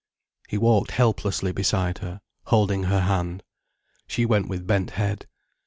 He walked helplessly beside her, holding her hand. She went with bent head.